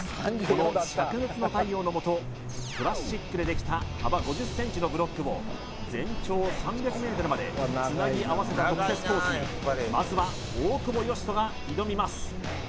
このしゃく熱の太陽のもとプラスチックでできた幅５０ｃｍのブロックを全長３００ｍまでつなぎ合わせた特設コースにまずは大久保嘉人が挑みます